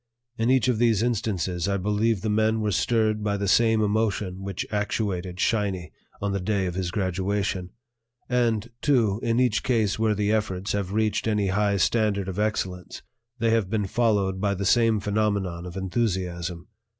In each of these instances I believe the men were stirred by the same emotions which actuated "Shiny" on the day of his graduation; and, too, in each case where the efforts have reached any high standard of excellence they have been followed by the same phenomenon of enthusiasm.